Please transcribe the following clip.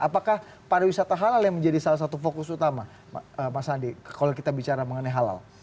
apakah para wisata halal yang menjadi salah satu fokus utama mas andi kalau kita bicara mengenai halal